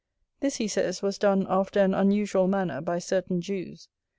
This, he says, was done after an unusual manner, by certain Jews.